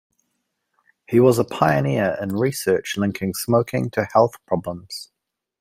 He was a pioneer in research linking smoking to health problems.